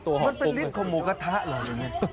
มันไปรีบข่าวหมูกระทะเลย